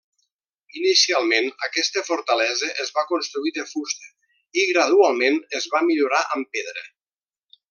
Inicialment aquesta fortalesa es va construir de fusta i gradualment es va millorar amb pedra.